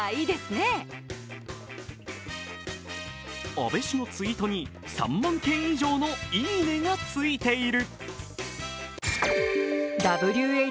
安倍氏のツイートに３万件以上の「いいね」が付いている。